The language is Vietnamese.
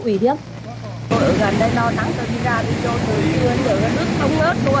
ở gần đây lo lắng cho khi ra bị trôi nước không ngớt luôn